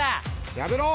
やめろ！